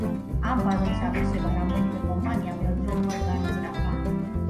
ამ ბაზრის ათვისება რამდენიმე კომპანიამ ერთდროულად განიზრახა.